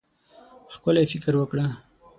ښکلی فکر وکړه.